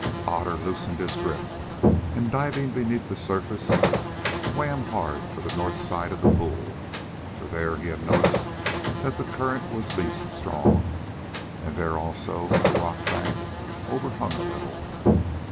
Otter loosed his grip, and diving beneath the surface swam hard for the north side of the pool, for there he had noticed that the current was least strong, and there also the rock bank overhung a little.